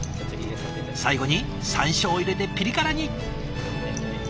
最後にさんしょうを入れてピリ辛に。